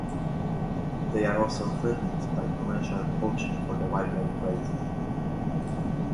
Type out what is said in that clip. They are also threatened by commercial poaching for the wildlife trade.